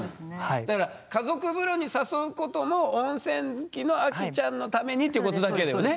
だから家族風呂に誘うことも温泉好きのアキちゃんのためにっていうことだけだよね。